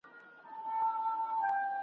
د ځنګله پاچا ولاړ په احترام سو `